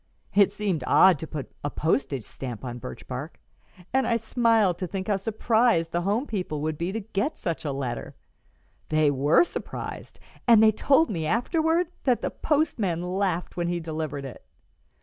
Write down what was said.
It seemed odd to put a postage stamp on birch bark, and I smiled to think how surprised the home people would be to get such a letter. They were surprised, and they told me afterward that the postman laughed when he delivered it."